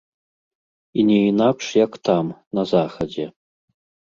І не інакш як там, на захадзе.